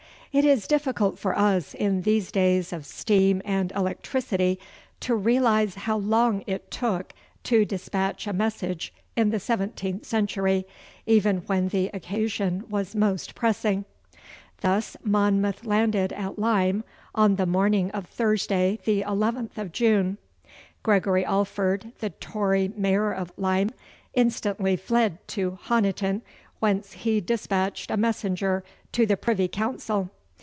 It is difficult for us in these days of steam and electricity to realise how long it took to despatch a message in the seventeenth century, even when the occasion was most pressing. Thus, Monmouth landed at Lyme on the morning of Thursday, the 11th of June. Gregory Alford, the Tory mayor of Lyme, instantly fled to Honiton, whence he despatched a messenger to the Privy Council.